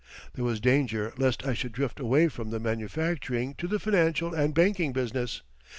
There was danger lest I should drift away from the manufacturing to the financial and banking business.